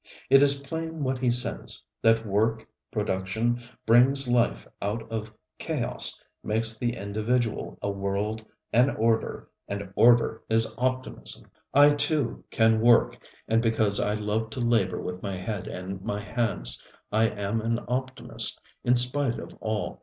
ŌĆØ It is plain what he says, that work, production, brings life out of chaos, makes the individual a world, an order; and order is optimism. I, too, can work, and because I love to labor with my head and my hands, I am an optimist in spite of all.